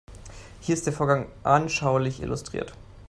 Hier ist der Vorgang anschaulich illustriert.